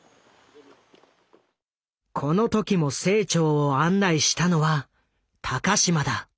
この時も清張を案内したのは高島だ。